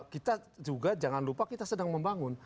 kita juga jangan lupa kita sedang membangun